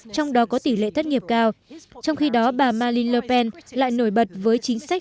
trong đó có tỷ lệ thất nghiệp cao trong khi đó bà maliner pen lại nổi bật với chính sách